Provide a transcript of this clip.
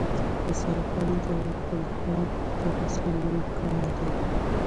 د سرپل په بلخاب کې د مسو لوی کان دی.